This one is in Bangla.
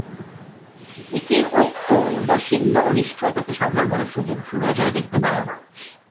ইসির এই ঔদাসীন্য ও নিষ্ক্রিয়তাকে সাধারণ মানুষ সুনজরে দেখতে পারে না।